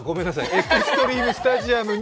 エクストリームスタジアム。